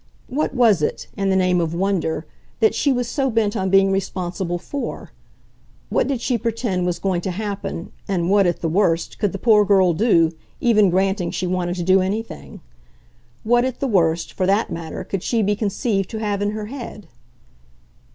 What was it, in the name of wonder, that she was so bent on being responsible FOR? What did she pretend was going to happen, and what, at the worst, could the poor girl do, even granting she wanted to do anything? What, at the worst, for that matter, could she be conceived to have in her head?